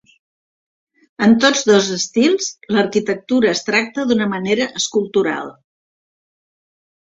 En tots dos estils, l'arquitectura es tracta d'una manera escultural.